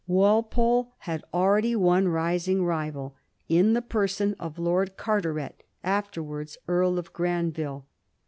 Walpole had already one rising rival in the person of Lord Carteret, afterwards Earl of Granville.